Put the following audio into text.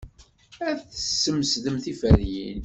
Ad tesmesdeḍ tiferyin.